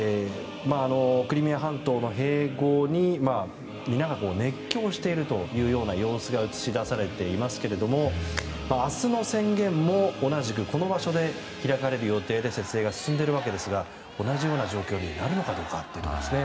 クリミア半島の併合にみんなが熱狂している様子が映し出されていますが明日の宣言も同じくこの場所で開かれる予定で設営が進んでいるわけですが同じような状況になるのかどうかですね。